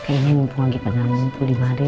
kayaknya mimpu lagi pernah mimpu di madel